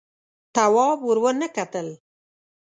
تواب ور ونه کتل.